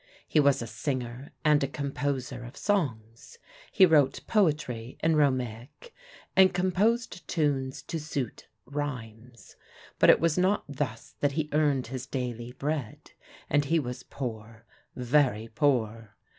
He was a singer and a composer of songs; he wrote poetry in Romaic, and composed tunes to suit rhymes. But it was not thus that he earned his daily bread, and he was poor, very poor.